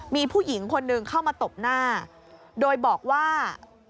มีผู้หญิงคนหนึ่งเข้ามาตบหน้าโดยบอกว่า